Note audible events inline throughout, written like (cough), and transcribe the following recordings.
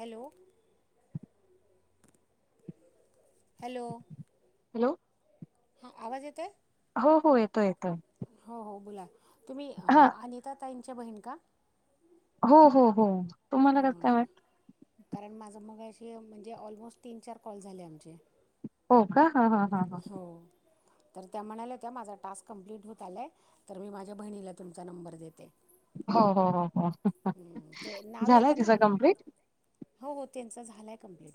Hello. (inaudible) Hello. Hello. हा आवाज येतोय? हो. हो. येतोय, येतोय. हो हो बोला, तुम्ही हा अनिता ताईंच्या बहीण का? हो हो हो, तुम्हाला कसं काय वाटलं? कारण माझं मगाशी, म्हणजे ऑलमोस्ट तीन चार कॉल झाले आमचे. हो का, हा हा. हा हो. तर त्या म्हणाल्या त्या, माझा टास्क कंप्लीट होत आलाय, तर मी माझ्या बहिणीला तुमचा नंबर देते. हो हो हो हो हं, ते नाव झालाय येतं ना तिचा कम्प्लीट. हो हो त्यांचा झालाय कम्प्लीट.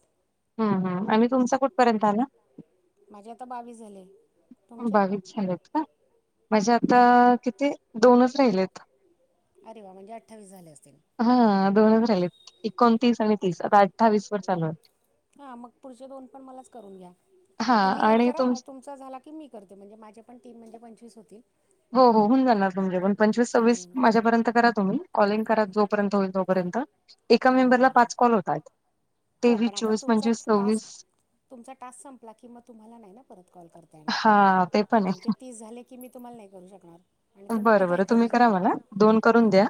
हम्म हम्म आणि तुम चा कुठपर्यंत आला? माझे आता बावीस झाले. तुमचे बावीस झालेत का? म्हणजे आता किती दोनच राहिलेत. अरे वा म्हणजे अठ्ठावीस झाले असते. हा दोनच राहिलेत. एकोणतीस आणि तीस, आता अठ्ठावीस वर चालू आहे. हा मग पुढचे दोन पण मलाच करून घ्या, मग हा तुम्ही एक आणि करा तुम तुमचं झाल की मी करते म्हणजे माझे पण तीन म्हणजे पंचवीस होतील. हो हो होऊन जाणार तुमचे पण पंचवीस सव्वीस हम्म. माझ्यापर्यंत करा तुम्ही कॉलिंग करा जोपर्यंत होईल तोपर्यंत. एका हो हो मेंबरला हो पाच कॉल होतात. हो तेवीस पण आता चोवीस तुमचा पंचवीस सव्वीस टास्क तुमचा टास्क संपला की मग, तुम्हाला नाही ना परत कॉल करता येणार. आता हेच चाललंय. ते मी तुम्हाला नाही करू शकणार. आणि तुम्ही पण बरं नाही बरं तुम्ही करू करा शकणार. मला, दोन करून द्या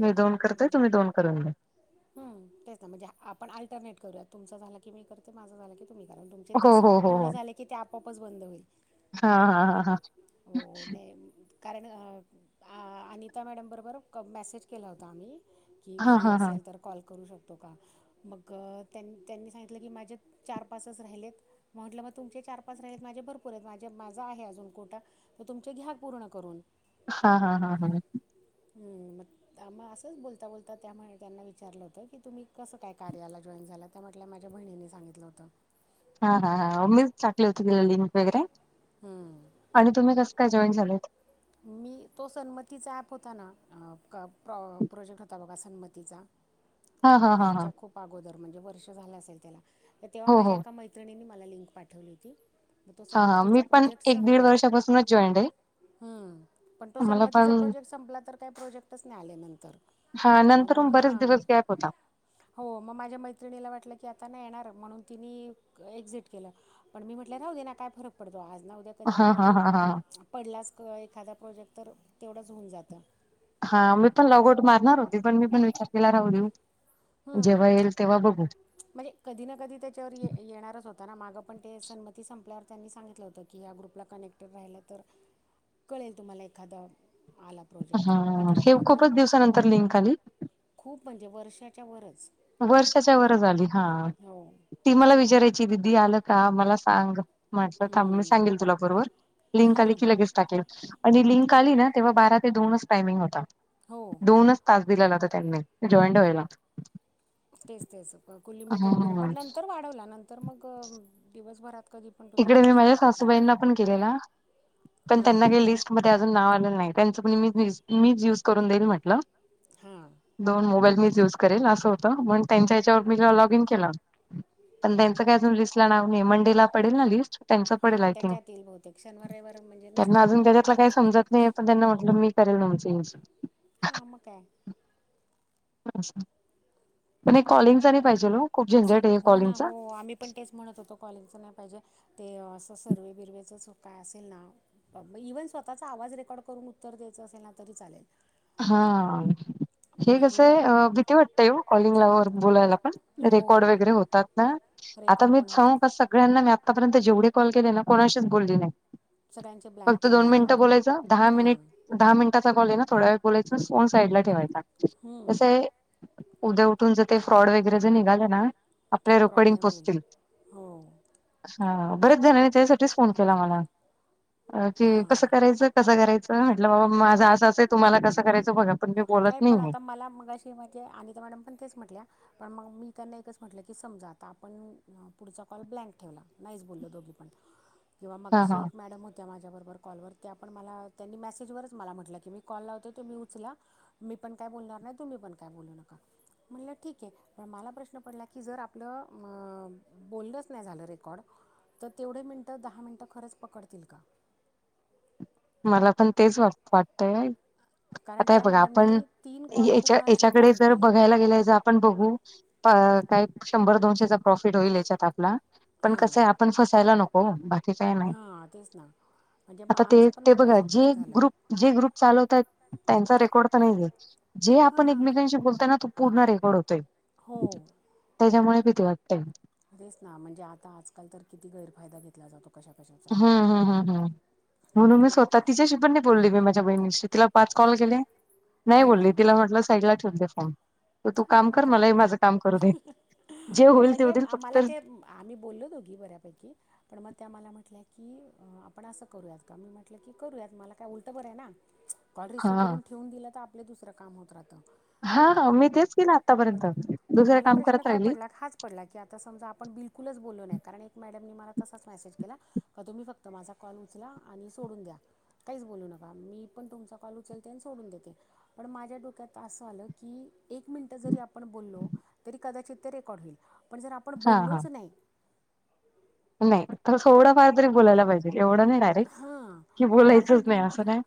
मी दोन करतेय तुम्ही दोन करून मी हम तेच ना म्हणजे आपण अल्टरनेट करूया. तुमचं झालं की मी करते माझं झालं की तुम्ही कारण तुमचे हो तीस हो हो पुर्ण हो झाले की ते आपोआपच बंद होईल. हा हा हो नाही. कारण अनिता मॅडमबरोबर क मेसेज केला होता आम्ही. की हा फ्री हा हा असेल तर कॉल करू शकतो का? मग त्यां त्यांनी सांगितलं की माजेत चार पाचच राहिलेत. म्हंटलं मग तुमचे चार पाच राहिलेत आहेत माझे भरपूर आहेत माझे माझा आहे अजून कोटा. तर तुमचे घ्या पूर्ण करून. हा हा हा हा. हम मग थांबा असंच बोलता बोलता त्यामुळे त्यांना विचारलं होतं की तुम्ही कसं काय? कार्याला जॉईन झालात त्या म्हटल्या माझ्या बहिणीनी सांगितलं होतं. हा हा आम्हीच टाकली होती लिंक वैगेरे. हम्. झालेत? मी तो सन्मतीचा ऍप होता ना प्र प्रोजेक्ट होता बघा सन्मतीचा. (unintelligible) हा हा ह्याच्या खूप अगोदर म्हणजे वर्ष झालं असेल त्याला, तर तेव्हा हो हो माझ्या एका मै त्रिणीने मला लिंक पाठवली होती, मग तो हा हा मी सन्मतीचा पण एक दीड वर्षापासूनच जॉईंड आहे. हम् पण तो मला सन्मतीचा पण प्रोजेक्ट संपला तर काही प्रोजेक्टच नाही आले नंतर. हा मग नंतर मा बरेच हां दिवस गॅप होता. हो मग माझ्या मैत्रिणीला वाटलं की आता नाही येणार म्हणून तिने एक्झिट केलं. पण मी म्हटलं राहू दे ना आता काय फरक पडतो आज न उद्या कधी ना हा हा कधी हा हा पडलाच क एखादा प्रोजेक्ट तर तेवढंच होऊन जातं. हा मी पण लॉगआऊट मारणार होती पण मी पण विचार केला राहू दे. हम्म. जेव्हा येईल तेव्हा बघू. म्हणजे कधी ना कधी त्याच्यावर येणारच होता ना, मागं पण ते संन्मती संपल्यावर त्यांनी सांगितलं होतं. की या ग्रुपला कनेक्टेड राहिलं तर, कळेल तुम्हाला एखादां आला प्रोजेक्ट हा तर मग म्हटले हे राहू दे खूपच दिवसानंतर लिंक आली खूप म्हणजे वर्षाच्या वरच वर्षाच्या वरच आली हा, हो ती मला विचारायची दिदी आलं का मला सांग म्हटलं थांब मी हम्म. सांगेल तुला बरोबर, लिंक आली की लगेच टाकेल. आणि लिंक आली ना, तेव्हा बारा ते दोनच टायमिंग होता. हो दोनच तास दिलेला होता त्यांनी, जॉईंड व्हायला. तेच तेच कु लिमिटेड पिरियड पण नंतर वाढवला, नंतर मग अ दिवसभरात कधी पण तुम्ही इकडे मी करू माझ्या शकत होते सासूबाईंना पण केलेला, पण त्यांना हां काय लिस् मध्ये अजून नाव आलेलं नाही, त्यांचं पण मी मीच युज करून देईल म्हटलं. हा. दोन मोबाईल मीच यूज करेल असं होतं, म्हण त्यांच्या याच्यावर मी ल लॉग इन केलं, पण त्यांचं काय अजून लिस्ट ला नाव नाय, मंडेला पडेल ना लिस्ट त्यांचं पडेल हां आयथिंक, त्याच्यात येईल बहुतेक शनिवार रविवार म्हणजे त्यांना नसतं ना अजून त्याच्यातलं काही समजत नाही पण त्यांना म्हटलं मी करेल तुमचं यूज. हा म काय. पण हे कॉलिंगचा नाही पाहिजेल ओ, खूप झंझट आहे हे हो ना हो कॉलिंगचा. आम्ही पण तेच म्हणत होतो कॉलिंगचं नाही पाहिजे, ते असं सर्वे बिरवेचंच काय असेल ना इव्हन स्वतःचा आवाज रेकॉर्ड करून उत्तर द्यायचं असेल ना तरी चालेल. हा, हे कसंय अ भीती वाटतंय ओ कॉलिंगला वर बोलायला पण. रेकॉर्ड हो वगैरे होतात ना, आता रेकॉर्ड पण मीच सांगू का होतात सग गळ्यांना मी आत्तापर्यंत जेवढ कॉल केले ना कोणाशीच बोलली नाही. सगळ्यांचे ब्लँक फक्त ठेवून दोन दिले ना मिनिटं बोलायचं, दहा हां मिनिट दहा मिनिटाचा कॉल आहे ना थोड्या वेळ बोलायचा फोन साईडला ठेवायचा, हं, कसंय उद्या उठून जर ते फ्रॉड वगैरे जर निघालं ना तर आपल्या रेकॉर्डिंग प्रॉब्लेम होईल पोचतील. हो हा, बरेच जणाने त्यासाठीच फोन केला मला, कि कसं हां करायचं कसं करायचं? म्हटलं बाबा माझं असं असंय तुम्हाला कसं करायचं बघा, पण मी बोलत पण नाही. आता मला मगाशी मग ते, अनिता मॅडम पण तेच म्हटल्या पण मग मी त्यांना एकच म्हटलं की, समजा आता आपण पुढचा कॉल ब्लँक ठेवला नाहीच बोलल दोघी पण (inaudible) किंवा मगाशी हा एक मॅडम होत्या माझ्या बरोबर कॉलवर त्या पण मला त्यांनी मेसेजवर मला म्हटलं की मी कॉल लावते, तुम्ही उचला मी पण काय बोलणार नाही, तुम्ही पण काय बोलू नका. म्हणलं ठीक आहे. पण मला प्रश्न पडला की, जर आपलं अं बोलनच नाही झालं रेकॉर्ड तर तेवढे मिनिटं दहा मिनिटं खरंच पकडतील का मला पण तेच वा वाटतय. कारण आता हे त्या बघा आपण मॅडमनी तीन कॉल याच्या पूर्ण असे याच्याकडे ब्लँक जर केले बघायला गेल ज पण बघू प काय शंभर दोनशेचा प्रॉफिट होईल याच्यात आपला पण कसं हां आहे आपण फसायला नको ओ बाकी काही नाही. हां तेच ना म्हणजे मग आता ते आमचं पण ते बघा मगाशी जे तेच झालं ग्रुप जे ग्रुप चालवताहेत त्यांचा रेकॉर्ड तर नाही आहे, जे आपण हां एकमेकांशी बोलताय ना पूर्ण रेकॉर्ड होतोय. हो त्याच्यामुळे भीती वाटते. तेच ना म्हणजे आता आजकाल तर किती गैरफायदा घेतला जातो. कशा कशा हा हा हा हा म्हणून मी पण स्वतः तिच्याशी पण नाही बोलली मी माझ्या बहिणीशी तिला पाच कॉल केले, नाही बोलले हं, तिला म्हटलं साईडला ठेवून दे फोन तू हां काम मग कर काय मलाही माझं काम करू दे, जे नाही होईल ते म्हणजे होतील फक्त मला ते आम्ही बोलल दोघी बऱ्यापैकी पण मग त्या मला म्हटल्याय की आपण असं करूयात का मी म्हटलं की करूयात, मला काय उलटं बरं आहे ना. हा कॉल रिसिव्ह करून ठेवून दिलं तर आपले दुसरं काम होत राहतं. हा मी तेच केलं आतापर्यंत पण दुसरं मला काम प्रश्न करत काय राहिली. पडला हाच पडला की आता समजा आपण बिलकुलच बोललो नाही कारण एक मॅडमनी मला तसाच मेसेज केला. का तुम्ही फक्त माझा कॉल उचला आणि सोडून द्या. काहीच बोलू नका मी पण तुमचा कॉल उचलते आणि सोडून देते. पण माझ्या डोक्यात असं आलं की एक. मिनिटं जरी आपण बोललो तरी कदाचित, ते रेकॉर्ड होईल. पण जर आपण हा हा बोललोच नाही. नाही तस एवढा फार तरी बोलायला पाहिजे एवढं नाही डायरेक्ट हां की, बोलायचंच नाही असं नाही.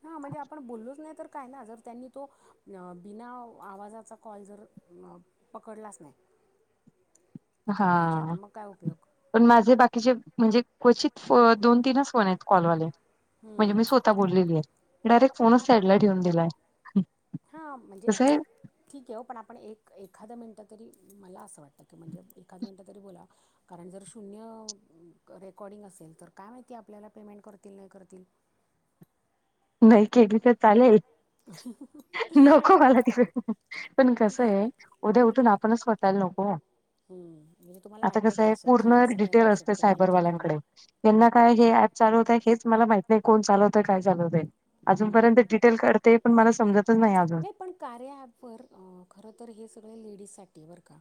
पण बोललोच नाही तर काय ना जर त्यांनी तो बिना आवाजाचा कॉल जर पकडलाच नाही आपल्या ह्याच्यात हा मग काय उपयोग. पण माझे बाकीचे म्हणजे क्वचित दोन तीनच फोन आहेत कॉलवाले. म्हणजे हम्म. मी स्वतः बोललेली आहे डायरेक्ट फोनच साइ ड ला ठेवन दिलाय. हा म्हणजे कसं आहे ठीक आहे हो पण आपण एक एखादं मिनिटं तरी मला असं वाटतं की म्हणजे एखाद मिनिटं तरी बोला कारण जर शून्य रेकॉर्डिंग असेल तर काय माहिती आपल्याला पेमेंट करतील नाही करतील. नाही केली तर चालेल. नको मला तिथं पण कस आहे उद्या उठून आपणच होटःयला नको. हम्म, म्हणजे तुम्हाला आता वाटतं कस का आहे असं की पूर्ण असं काय डिटेल होऊ असते शकतं ह्यांच्याकडनं सायबरवाल्यांकडे. त्यांना काय हे ऍप चालवतय हेच मला माहिित नाही कोण चालवतंय काय चालवतय. अजूनपर्यंत डिटेल करते पण मला समजतच नाही अजून. कार्यअँप खर तर हे सगळे लेडीजसाठी बरं का.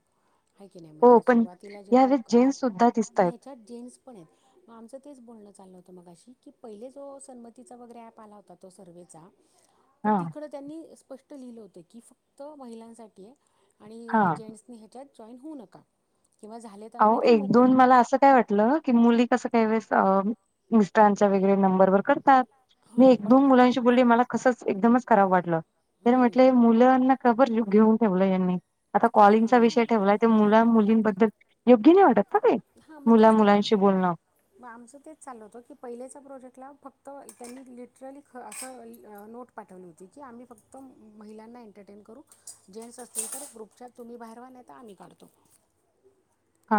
आहे की नाही हो म्हणजे पण सुरुवातीला जेव्हा यावेळेस जेन्स सुद्धा ॲप पण दिसतायत ह्याच्यात जेंट्स पण आहेत. मग आमचं तेच बोलण चाललं होतं मगाशी की पहिले जो सन्मतीचा वगैरे ऍप आला होता. तो सर्वे चा पण हा तिकडं त्यांनी स्पष्ट लिहिलं होत की फक्त महिलांसाठी आहे हा आणि जेंट्सनी. हो न झा आओ एक दोन मला असं काय वाटलं की मुली कसं काय वेळेस मिस्टरांच्या वगैरे नंबर वर करतात मी हां एक पण दोन मुलांशी बोलले मला कसंच एकदमच करावं वाटलं ते म्हटल मुलांना काबर घेऊन ठेवलं यांनी आता कॉलिंगचा विषय हां ठेवलाय ते मुला मुलींबद्दल योग्य नाही वाटत ह हां मग मुला तेच ना मुलांशी बोलणं मग आमचं तेच चाललं होत की पहिलेच्या प्रोजेक्टला फक्त त्यांनी लिटरली ख असं नोट पाठवली होती की आम्ही फक्त महिलांना एंटरटेन करू जेंट्स असतील तर ग्रुपच्या तुम्ही बाहेरवा नाही तर आम्ही काढतो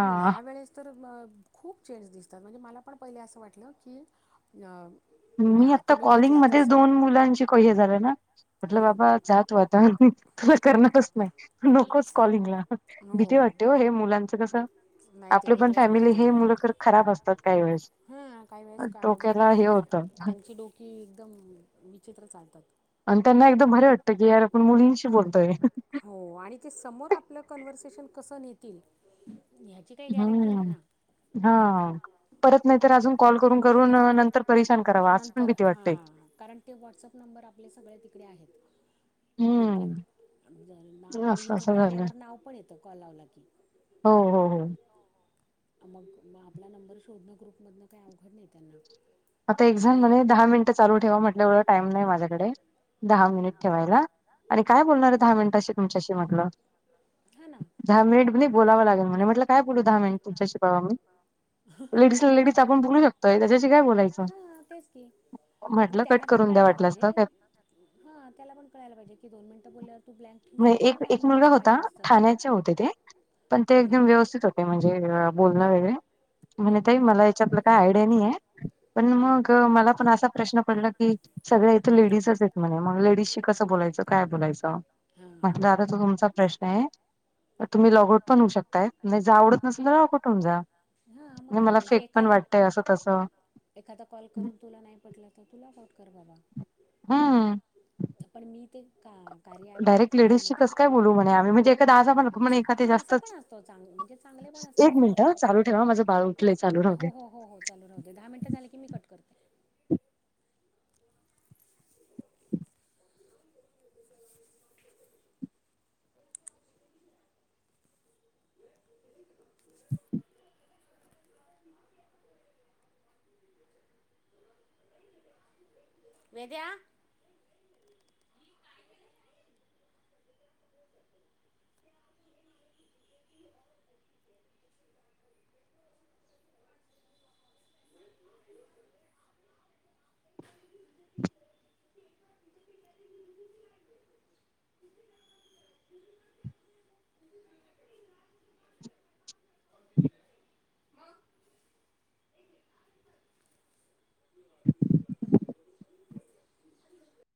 पण ह्या वेळेस तर खूप चेंज दिसतात म्हणजे मला पण पहिले असं वाटलं की या मी आता कॉलिंग मध्येच दोन मुलांची हे झालंय ना म्हटलं हं, बाबा जा तू आता तुला करणारच नाही नकोच कॉलिंगला भीती वाटते हो हे मुलांचं कसं नाही ते आपलं पण वेगळंच फॅमिली हे पडतं मुलं तर खराब असतात काही वेळेस हां काही वेळेस का डोक्याला मुलं हे होतं त्यांची डोकी एकदम विचित्र चालतात आणि त्यांना एकदम बरे वाटतं की यार आपण मुलींशी बोलतोय हो आणि ते समोर आपलं कन्व्हर्सेशन कसं नेतील ह हम्म ह परत नाहीतर अजून कॉल करून करून नंतर परिशान करावा असं पण नंतर भीती वाटते हां कारण ते व्हॉट्सअप नंबर आपले सगळे तिकडे आहेत. हम्म ग्रुपवर आणि असं इथं असं झालं कार्यावर नाव पण येतं कॉल लावला की हो हो हो मग मग आपला नंबर शोधणं ग्रुपमधनं काही अवघड नाही त्यांना आता एक्झाम नाही म्हणे दहा मिनिट चालू ठेवा म्हटलं एवढं टाइम नाही माझ्याकडे, दहा हम्म मिनिट ठेवायला. आणि काय बोलणार आहे दहा मिनिट अशी तुमच्याशी म्हटलं हां ना दहा मिनिट बी नाही बोलाव लागेल, म्हणे म्हटलं काय बोलू दहा मिनिट तुच्याशी बा मी लेडीजला लेडीज आपण बोलू शकतोय त्याच्याशी काय बोलायच हा तेच की मी त्यांना कट पण करून द्या कळायला वाटलं पाहिजे. असतं हा त्याला पण कळायला पाहिजे की दोन मिनिटं बोलल्यावर तु ब्लँक ठेवू म्या शकतो ना एक दहा एक मुलगा मिनटं होत त्या पाहिजेस तर ठाण्याचे होते ते पण ते हां एकदम व्यवस्थित होते, म्हणजे बोलणं वेगरे म्हणे ताईं मला याच्यातलं काय आयडिया नाही आहे, पण हं. मग मला पण असा प्रश्न पडलं की सगळ्या इथं लेडीजच आहेत म्हणे, मग लेडीजशी कसं बोलायचं काय बोलायचं हां म्हटलं आता तो तुमचा प्रश्न आहे. तर तुम्ही लॉगउट पण होऊ शकताय, नाही जा आवडत नसेल तर लॉगउट होऊ जा हा मग नाही काय मला म्हणजे फेक पण एखादा वाटतय असं तसं एखादा कॉल करून तुला नाही पटलं तर तु लॉगऑऊट कर बाबा हं पण मी ते का कार्य ऍप का डायरेक्ट ठेवलंय लेडीजशी म्हटल कसं काय बोलू म्हणे आम्ही म्हणजे एका दहा जण म्हणे एका ते हा अस जास्तच पण अस चांग चांगले पण असतात एक ना, मिनिट चालू ठेवा माझं बाळ उठलंय चालू राहू द्या हो हो हो चालू राहुदे दहा मिनट झाले की मी कट करते. वेद्या (inaudible) (inaudible) (inaudible) (inaudible) (inaudible) (inaudible)